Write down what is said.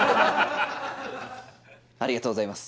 ありがとうございます。